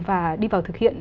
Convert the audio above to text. và đi vào thực hiện